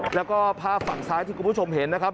แล้วก็ภาพฝั่งซ้ายที่คุณผู้ชมเห็นนะครับ